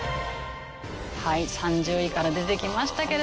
はい３０位から出てきましたけれど